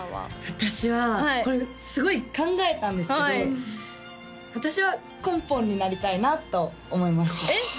私はこれすごい考えたんですけど私はこんぽんになりたいなと思いましたえっ？